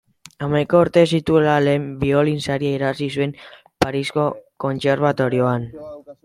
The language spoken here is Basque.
Hamaika urte zituela lehen biolin-saria irabazi zuen Parisko kontserbatorioan.